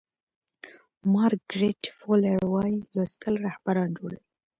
مارګریت فو لیر وایي لوستل رهبران جوړوي.